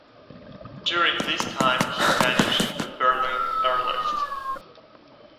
During this time he managed the Berlin Airlift.